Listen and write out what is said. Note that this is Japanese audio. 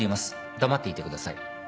黙っていてください。